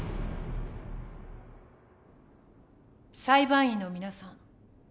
裁判員の皆さん